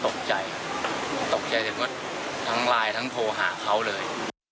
ตกใจถึงว่าทั้งไลน์ทั้งโทรหาเขาเลย